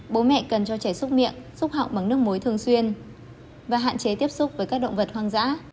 bố mẹ cần cho trẻ xúc miệng xúc họng bằng nước muối thường xuyên và hạn chế tiếp xúc với các động vật hoang dã